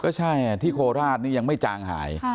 ใช่ที่โคราชนี่ยังไม่จางหาย